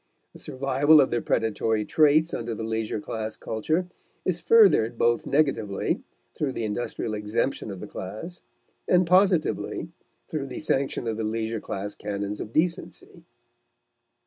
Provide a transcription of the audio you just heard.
The survival of the predatory traits under the leisure class culture is furthered both negatively, through the industrial exemption of the class, and positively, through the sanction of the leisure class canons of decency.